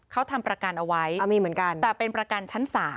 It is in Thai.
เขาทำประกันเอาไว้แต่เป็นประกันชั้น๓